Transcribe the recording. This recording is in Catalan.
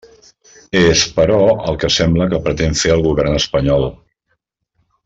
És, però, el que sembla que pretén fer el govern espanyol.